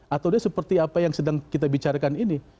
atau dia seperti apa yang sedang kita bicarakan ini